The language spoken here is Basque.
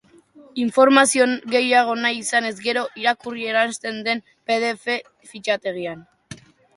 Informazio gehiago nahi izanez gero, irakurri eransten den pdf fitxategian.